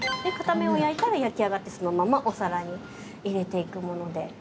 で片面を焼いたら焼き上がってそのままお皿に入れていくもので。